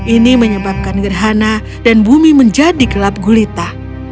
ini menyebabkan gerhana dan bumi menjadi gelap gulita